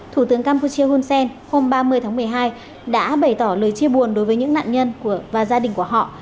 thủ tướng campuchia hun sen hôm ba mươi tháng một mươi hai đã bày tỏ lời chia buồn đối với những nạn nhân và gia đình của họ